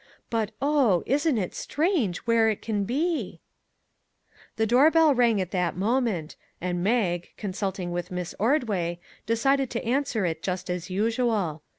But, oh, isn't it strange where it can be ?" The door bell rang at that moment, and Mag, consulting with Miss Ordway, decided to answer it just as usual.